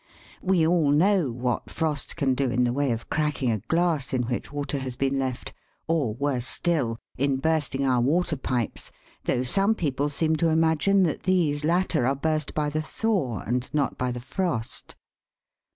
We all know what frost can do in the way of cracking a glass in which water has been left, or, worse still, in bursting our water pipes, though some people seem to imagine that these latter are burst by the thaw, and not by the frost.